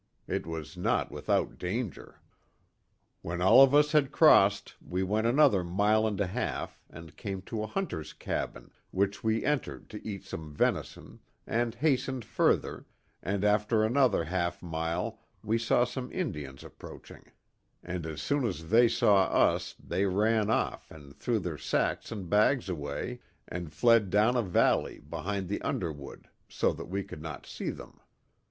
It was not without danger. When all of us had crossed we went another mile and a half and came to a hunter's cabin, which we entered to eat some venison, and hastened further, and after another half mile we saw some Indians approaching, and as soon as ihey saw us they ran off and threw their sacks and bags away, and fled down a valley behind the underwood, so that we could not see them.